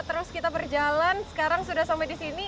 terus kita berjalan sekarang sudah sampai di sini